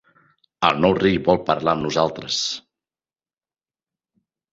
El nou rei vol parlar amb nosaltres.